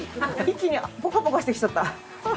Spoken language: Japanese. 一気にポカポカしてきちゃった。